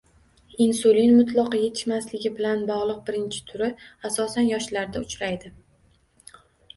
Insulin mutlaqo yetishmasligi bilan bog‘liq birinchi turi asosan yoshlarda uchraydi